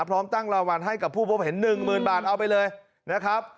พร้อมตั้งราวรรณให้กับผู้พบเห็นหนึ่งหมื่นบาทเอาไปเลยนะครับ